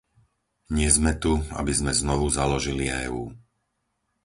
Nie sme tu, aby sme znovu založili EÚ.